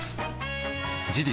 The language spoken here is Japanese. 事実